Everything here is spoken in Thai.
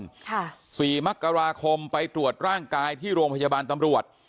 ค่ะสี่มกราคมไปตรวจร่างกายที่โรงพยาบาลตำรวจ